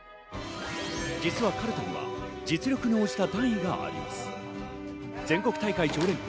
実は、かるたには実力に応じた段位があります。